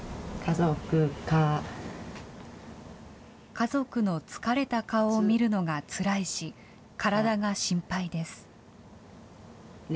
家族の疲れた顔を見るのがつらいし、体が心配です。